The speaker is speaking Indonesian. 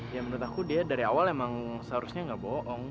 ya menurut aku dia dari awal emang seharusnya nggak bohong